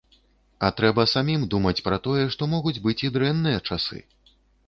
А трэба самім думаць пра тое, што могуць быць і дрэнныя часы.